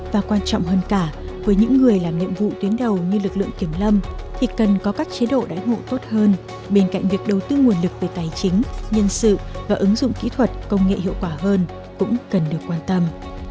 và quan trọng hơn cả với những người làm nhiệm vụ tuyến đầu như lực lượng kiểm lâm thì cần có các chế độ đáy ngộ tốt hơn bên cạnh việc đầu tư nguồn lực về tài chính nhân sự và ứng dụng kỹ thuật công nghệ hiệu quả hơn cũng cần được quan tâm